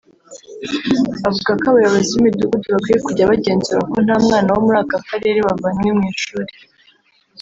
Avuga ko abayobozi b’imidugudu bakwiye kujya bagenzura ko nta mwana wo muri aka karere wavanywe mu ishuri